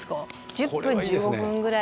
１０分１５分ぐらい。